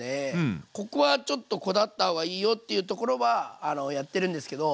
ここはちょっとこだわった方がいいよっていうところはやってるんですけど